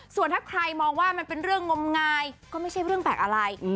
ส่วนถ้าใครมองว่ามันเป็นเรื่องงมงายก็ไม่ใช่เรื่องแปลกอะไร